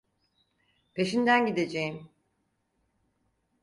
Peşinden gideceğim.